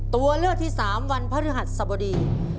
ตัวเลือกที่๓วันพฤหัสสบดี